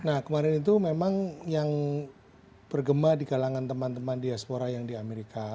nah kemarin itu memang yang bergema di kalangan teman teman diaspora yang di amerika